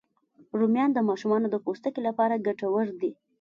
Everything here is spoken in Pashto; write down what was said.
رومیان د ماشومانو د پوستکي لپاره ګټور دي